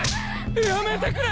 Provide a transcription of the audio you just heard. やめてくれ！